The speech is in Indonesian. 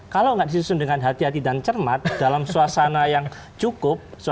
kalau nggak disusun dengan hati hati dan cermat dalam suasana yang cukup